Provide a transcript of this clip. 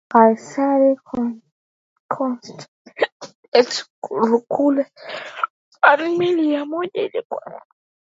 Kaisari Konstantino kule Roma meli moja ilikuwa safarini kutoka Shamu